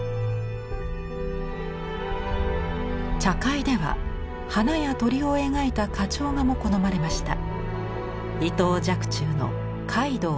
茶会では花や鳥を描いた花鳥画も好まれました。